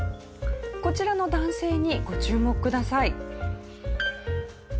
こちらの男性にご注目ください。